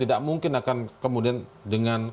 tidak mungkin akan kemudian dengan